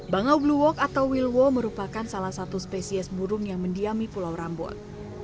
bangau blue walk atau wilwo merupakan salah satu spesies burung yang mendiami pulau rambut